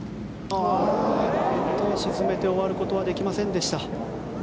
沈めて終わることはできませんでした。